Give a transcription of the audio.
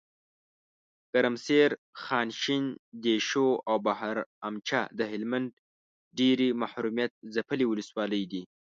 ګرمسیر، خانشین، دیشو اوبهرامچه دهلمند ډیري محرومیت ځپلي ولسوالۍ دي .